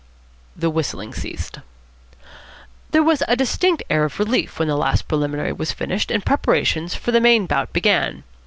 The whistling ceased. There was a distinct air of relief when the last preliminary was finished and preparations for the main bout began.